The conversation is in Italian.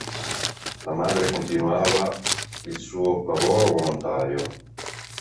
La madre continuava il suo lavoro volontario.